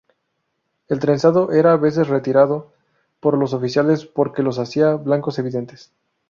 El trenzado era a veces retirado por los oficiales, porque los hacía blancos evidentes.